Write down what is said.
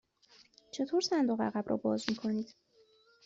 چطور صندوق عقب را باز می کنید؟